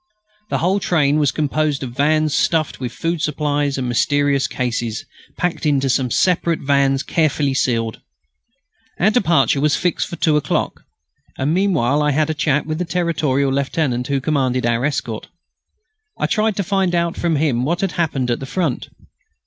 The whole train was composed of vans stuffed with food supplies and mysterious cases, packed into some separate vans carefully sealed. Our departure was fixed for two o'clock, and meanwhile I had a chat with the Territorial lieutenant who commanded our escort. I tried to find out from him what had happened at the Front.